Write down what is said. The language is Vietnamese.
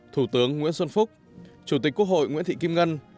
thủ tướng nguyễn xuân phúc chủ tịch quốc hội nguyễn thị kim ngân